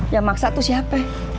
yang maksa tuh siapa